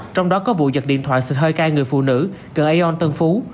trong đó có vụ vật điện thoại xịt hơi cay người phụ nữ gần aeon tân phú